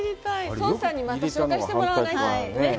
孫さんにまた紹介してもらわないとね。